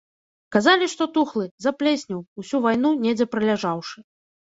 Казалі, што тухлы, заплеснеў, усю вайну недзе праляжаўшы.